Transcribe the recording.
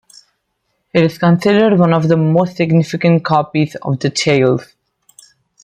It is considered one of the most significant copies of the "Tales".